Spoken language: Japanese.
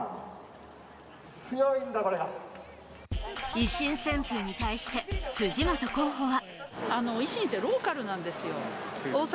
維新旋風に対して、辻元候補は。